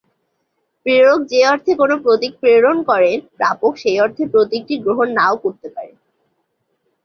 প্রেরক যে অর্থে কোনও প্রতীক প্রেরণ করেন, প্রাপক সেই অর্থে প্রতীকটি গ্রহণ না-ও করতে পারে।